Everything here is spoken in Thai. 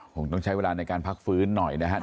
คงต้องใช้เวลาในการพักฟื้นหน่อยนะครับ